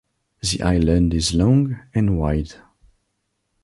The island is long, and wide.